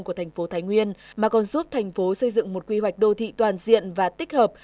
của thành phố thái nguyên mà còn giúp thành phố xây dựng một quy hoạch đô thị toàn diện và tích hợp